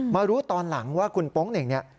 มารู้ตอนหลังว่าคุณโป๊งเหน่งเนี่ย